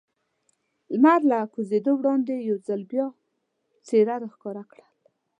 لمر له کوزېدو وړاندې یو ځل بیا څېره را ښکاره کړل.